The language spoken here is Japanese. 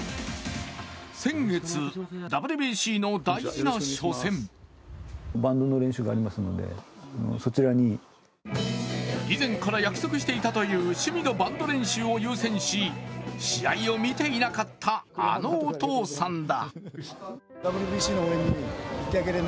先月、ＷＢＣの大事な初戦以前から約束していたという趣味のバンド練習を優先し試合を見ていなかった、あのお父さんだ。